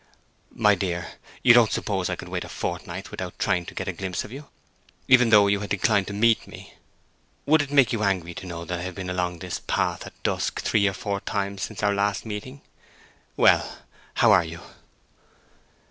"My dear, you don't suppose I could wait a fortnight without trying to get a glimpse of you, even though you had declined to meet me! Would it make you angry to know that I have been along this path at dusk three or four times since our last meeting? Well, how are you?"